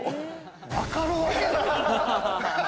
分かるわけない！